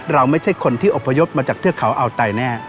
เราไม่ใช่คนที่อพยพมาจากเทือกเขาอาวไตแน่